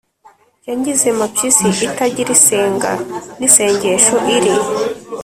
yangize mapyisi itagira isenga, n' isengesho iri.